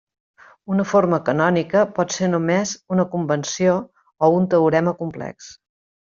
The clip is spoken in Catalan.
Una forma canònica pot ser només una convenció, o un teorema complex.